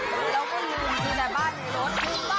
แล้วก็ลืมดูแลบ้านในรถ